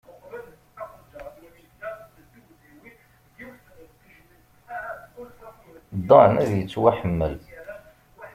Dan ad yettwaḥemmel.